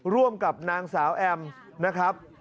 ร่วมกับนางสาวแอมนะครับ